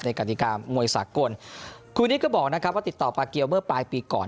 กฎิกามวยสากลครูนิดก็บอกนะครับว่าติดต่อปากเกียวเมื่อปลายปีก่อน